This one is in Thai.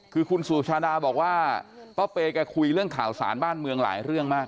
คือคุณสุชาดาบอกว่าป้าเปย์แกคุยเรื่องข่าวสารบ้านเมืองหลายเรื่องมาก